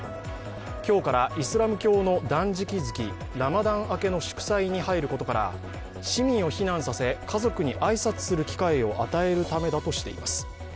今日からイスラム教の断食月ラマダン明けの祝祭に入ることから市民を避難させ、家族に挨拶する機会を与えるためだとしています。